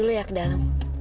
harusnya aku pergi dulu